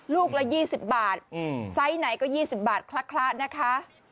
ลูกละ๒๐บาทไซส์ไหนก็๒๐บาทคละนะคะ